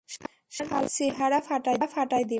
শালার চেহারা ফাটাই দিবো।